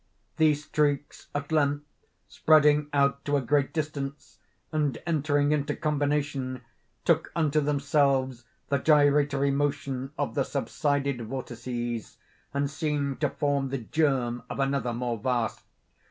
These streaks, at length, spreading out to a great distance, and entering into combination, took unto themselves the gyratory motion of the subsided vortices, and seemed to form the germ of another more vast.